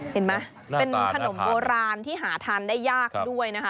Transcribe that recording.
เห็นไหมเป็นขนมโบราณที่หาทานได้ยากด้วยนะคะ